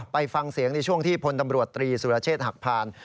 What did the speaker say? ไปฟังเสียงในช่วงที่พลตำรวจตรีสุรเชษฐ์หักพาน